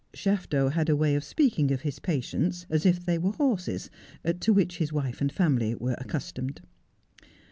Shafto had a way of speaking of his patients as if they were horses, to which his wife and family were accustomed.